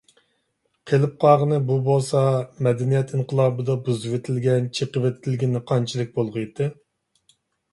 قېلىپ قالغىنى بۇ بولسا، «مەدەنىيەت ئىنقىلابى»دا بۇزۇۋېتىلگەن، چېقىۋېتىلگىنى قانچىلىك بولغىيتتى؟